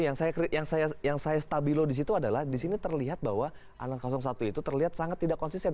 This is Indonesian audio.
yang saya stabilo di situ adalah di sini terlihat bahwa anak satu itu terlihat sangat tidak konsisten